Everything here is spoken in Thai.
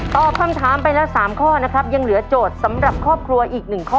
ตอบคำถามไปแล้ว๓ข้อนะครับยังเหลือโจทย์สำหรับครอบครัวอีก๑ข้อ